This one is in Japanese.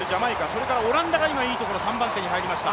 それからオランダが今いいところ、３番手に入りました。